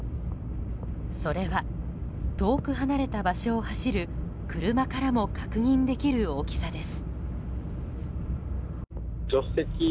それは、遠く離れた場所を走る車からも確認できる大きさです。